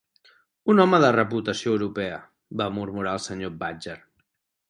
"Un home de reputació europea", va murmurar el senyor Badger.